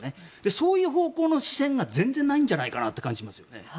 そういう方向の視線が全然ないんじゃないかという気がします。